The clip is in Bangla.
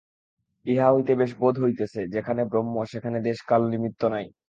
ইহা হইতে বেশ বোধ হইতেছে, যেখানে ব্রহ্ম সেখানে দেশ-কাল-নিমিত্ত নাই।